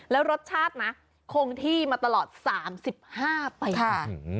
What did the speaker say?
แล้วรสชาตินะคงที่มาตลอด๓๕ปีค่ะ